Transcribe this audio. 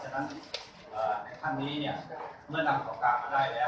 ฉะนั้นในขั้นนี้เนี่ยเมื่อนำตอบการมาได้แล้วนะครับ